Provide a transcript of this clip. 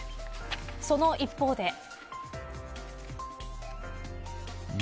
その一方で。